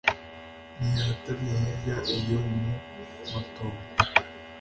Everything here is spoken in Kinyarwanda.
ntiyatannye hirya iyo mu matongo.